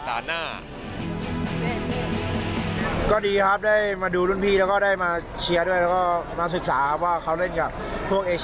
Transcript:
ครับพอดีคาดหวังจะได้เห็นเกมการเกี่ยวกัน